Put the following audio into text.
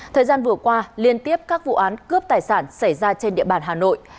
thời gian vừa qua liên tiếp các vụ án cướp tài sản xảy ra trên địa bàn hà nội